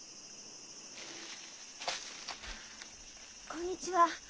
こんにちは。